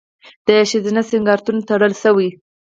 د ښځینه سینګارتونونه تړل شوي؟